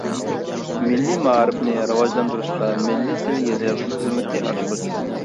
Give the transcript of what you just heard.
مىللىي مائارىپنى راۋاجلاندۇرۇشتا مىللىي تىل-يېزىق خىزمىتى ئاچقۇچ.